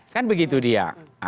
kan begitu dia